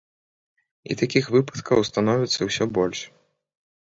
І такіх выпадкаў становіцца ўсё больш.